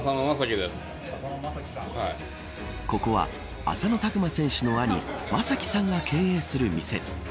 ここは浅野拓磨選手の兄将輝さんが経営する店。